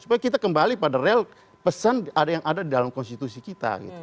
supaya kita kembali pada real pesan yang ada di dalam konstitusi kita